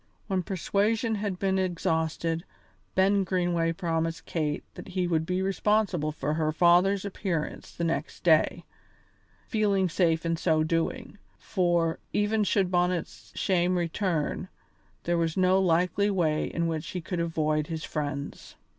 When persuasion had been exhausted, Ben Greenway promised Kate that he would be responsible for her father's appearance the next day, feeling safe in so doing; for, even should Bonnet's shame return, there was no likely way in which he could avoid his friends.